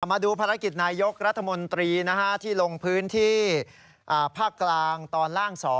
มาดูภารกิจนายกรัฐมนตรีที่ลงพื้นที่ภาคกลางตอนล่าง๒